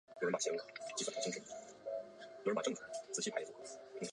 尼泊尔野桐为大戟科野桐属下的一个种。